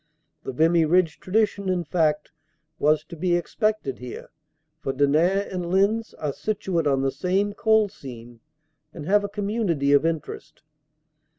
The Vimy Ridge tradition, in fact, was to be expected here, for Denain and Lens are situate on the same coal seam and have a community of interest.